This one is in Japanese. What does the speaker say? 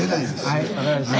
はい分かりました。